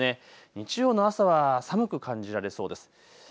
日曜の朝は寒く感じられそうです。